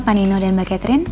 pak nino dan mbak catherine